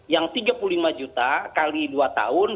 yang tiga puluh lima juta kali dua tahun